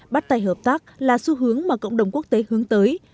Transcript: bắt tay hợp tác là xu hướng mà cộng đồng quốc tế hướng tới